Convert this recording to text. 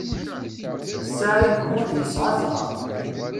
Saɛid U Muḥ yesɛa zzheṛ.